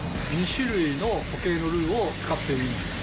２種類の固形のルーを使ってます。